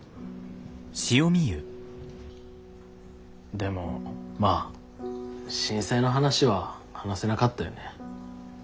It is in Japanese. でもまあ震災の話は話せなかったよね。